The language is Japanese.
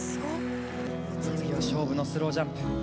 次が勝負のスロージャンプ。